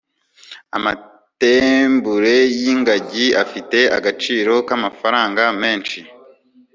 amatembure y'ingagi afite agaciro k'amafaranga menshi